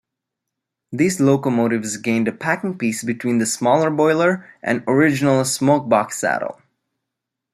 These locomotives gained a packing piece between the smaller boiler and original smokebox saddle.